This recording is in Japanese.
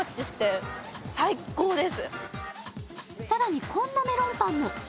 更に、こんなメロンパンも。